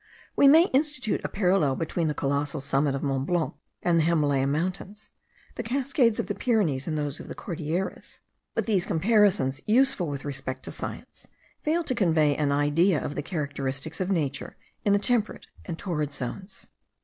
We may institute a parallel between the colossal summit of Mont Blanc and the Himalaya Mountains; the cascades of the Pyrenees and those of the Cordilleras: but these comparisons, useful with respect to science, fail to convey an idea of the characteristics of nature in the temperate and torrid zones.